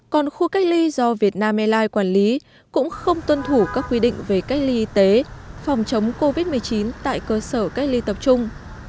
còn khu cách ly do việt nam airlines quản lý cũng không tuân thủ các quy định về cách ly y tế phòng chống covid một mươi chín tại cơ sở cách ly tập trung